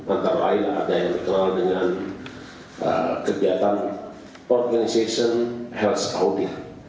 antara lain ada yang dikenal dengan kegiatan organization health audit